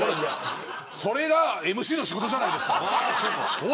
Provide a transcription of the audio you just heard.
それがＭＣの仕事じゃないですか。